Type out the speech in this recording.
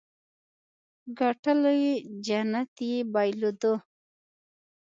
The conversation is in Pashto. ګټلې جنت يې بايلودو.